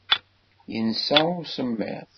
Yensa i usemmiḍ.